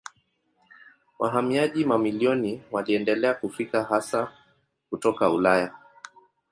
Wahamiaji mamilioni waliendelea kufika hasa kutoka Ulaya.